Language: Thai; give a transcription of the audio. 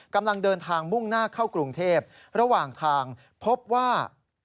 กำลังเดินทางมุ่งหน้าเข้ากรุงเทพระหว่างทางพบว่า